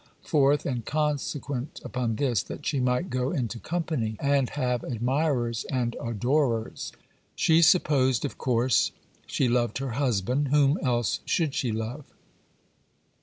Fourth, and consequent upon this, that she might go into company, and have admirers and adorers. She supposed, of course, she loved her husband—whom else should she love?